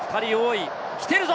来てるぞ！